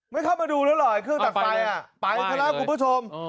เข้ามาดูแล้วเหรอไอเครื่องตัดไฟไปซะแล้วคุณผู้ชม